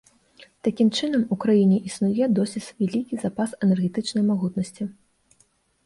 Такім чынам, у краіне існуе досыць вялікі запас энергетычнай магутнасці.